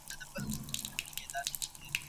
زه به په راتلونکي کي خپله څېړنه په پرله پسې ډول کوم.